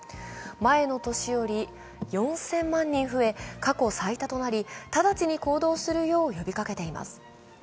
前の年より４０００万人増え、過去最多となり、直ちに行動するよう呼びかけています。